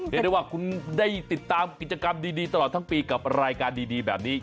เรียกได้ว่าคุณได้ติดตามกิจกรรมดีตลอดทั้งปีกับรายการดีแบบนี้